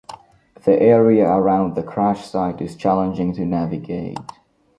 The area around the crash site is challenging to navigate.